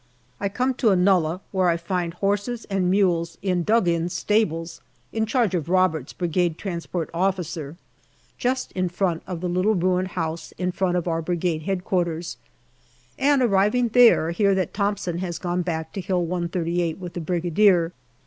I come to a nullah, where I find horses and mules in dug in stables in charge of Roberts, Brigade Transport Officer, just in front of the little ruined house in front of our Brigade H.Q., and arriving there, hear that Thomson has gone back to Hill 138 with the Brigadier.